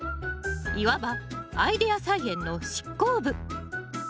いわばアイデア菜園の執行部！